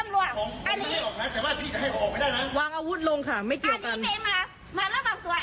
มาไปมีบุชิกกับเงินโซนหนึ่งบุชิกจะมีสะกัดเถย